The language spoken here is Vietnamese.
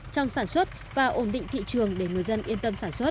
trong sản xuất và ổn định thị trường để người dân yên tâm sản xuất